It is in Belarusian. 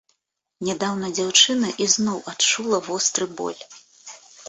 Нядаўна дзяўчына ізноў адчула востры боль.